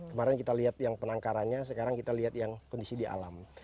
kemarin kita lihat yang penangkarannya sekarang kita lihat yang kondisi di alam